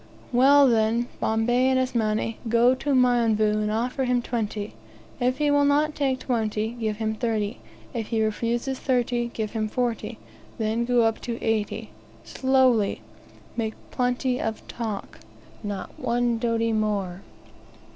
"Well, then, Bombay and Asmani, go to Mionvu, and offer him twenty. If he will not take twenty, give him thirty. If he refuses thirty, give him forty; then go up to eighty, slowly. Make plenty of talk; not one doti more.